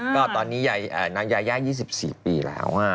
ก็ตอนนี้นางยายา๒๔ปีแล้ว